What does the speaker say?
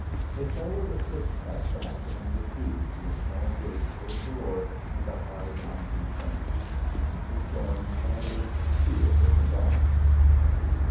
They followed a foot path back among the trees to a small gate or door in the high boundary fence. Mrs. Thorne tried it to see if it were locked.